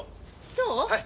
そう？